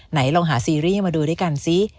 ไหนลองหาซีรีส์มาดูด้วยกันซิ